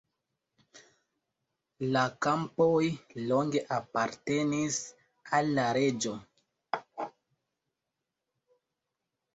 La kampoj longe apartenis al la reĝo.